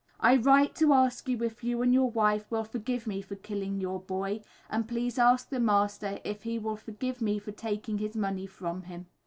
I write to ask you if you and your wife will forgive me for killing your boy, and please ask the master if he will forgive me for taking his money from him.